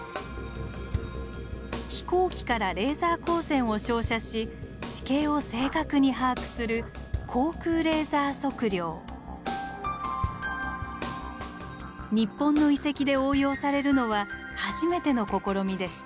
飛行機からレーザー光線を照射し地形を正確に把握する日本の遺跡で応用されるのは初めての試みでした。